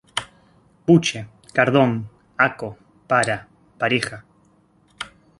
Buche: cardón, Aco: para, pareja.